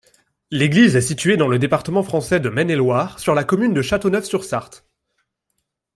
L'église est située dans le département français de Maine-et-Loire, sur la commune de Châteauneuf-sur-Sarthe.